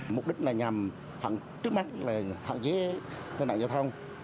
mục đích là nhằm trước mắt là hạn chế hệ nặng giao thông